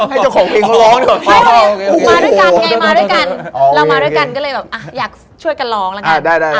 ให้เจ้าของเพลงร้องด้วยก่อนพี่